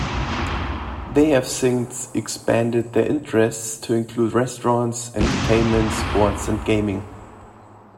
They have since expanded their interests to include restaurants, entertainment, sports and gaming.